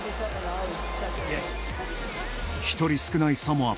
１人少ないサモア。